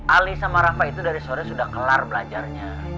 ali sama rafa itu dari sore sudah kelar belajarnya